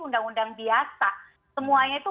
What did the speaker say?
undang undang biasa semuanya itu